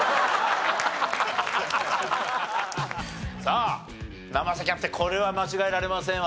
さあ生瀬キャプテンこれは間違えられませんわ。